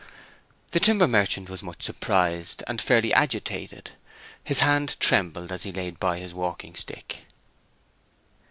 The timber merchant was much surprised, and fairly agitated; his hand trembled as he laid by his walking stick.